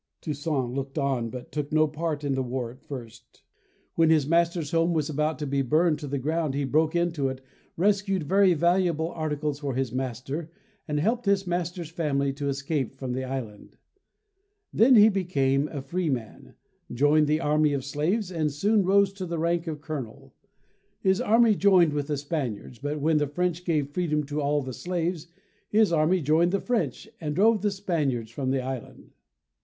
Toussaint looked on, but took no part in the war at first. When his master's home was about to be burned to the ground he broke into it, rescued very valuable articles for his master, and helped his master's family to escape from the island. Then he became 184 ] UNSUNG HEROES a free man, joined the army of slaves and soon rose to the rank of colonel. His army joined with the Spaniards, but when the French gave freedom to all the slaves, his army joined the French and drove the Spaniards from the island.